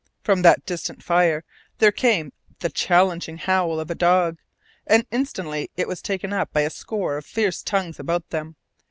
From that distant fire there came the challenging howl of a dog, and instantly it was taken up by a score of fierce tongues about them.